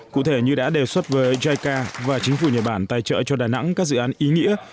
cụ thể như đã đề xuất với jica và chính phủ nhật bản tài trợ cho đà nẵng các dự án ý nghĩa